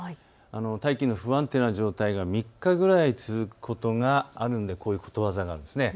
大気の不安定な状態が３日ぐらい続くことがあるのでこういうことわざがあるんです。